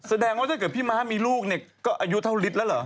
แสดงว่าถ้าเกิดพี่ม้ามีลูกเนี่ยก็อายุเท่าฤทธิ์แล้วเหรอ